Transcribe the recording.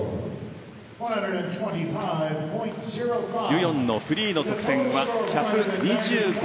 ユ・ヨンのフリーの得点は１２５．０５。